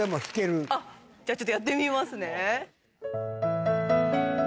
ちょっとやってみますね。